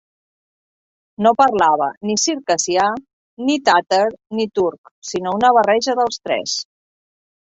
No parlava ni circassià, ni tàtar, ni turc, sinó una barreja dels tres.